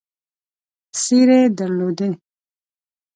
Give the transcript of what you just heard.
څېرې درلودې.